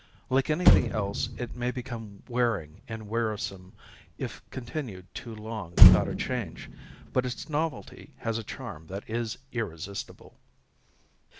Like anything else it may become wearing and wearisome if continued too long without a change, but its novelty has a charm that is irresistible.